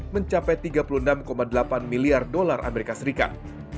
mencapai tiga puluh enam delapan miliar dolar amerika serikat